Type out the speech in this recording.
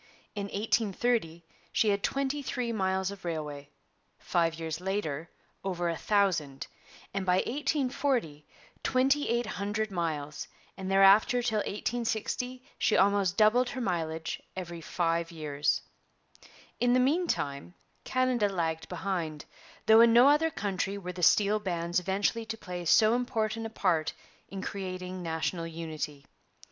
In 1830 she had twenty three miles of railway, five years later over a thousand, and by 1840 twenty eight hundred miles; and thereafter till 1860 she almost doubled her mileage every five years. In the meantime Canada lagged behind, though in no other country were the steel bands eventually to play so important a part in creating national unity.